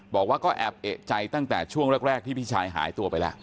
บอกว่าก็แอบเอกใจตั้งแต่ช่วงแรกที่พี่ชายหายตัวไปแล้ว